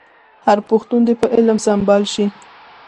هر پښتون دي په علم سمبال شي.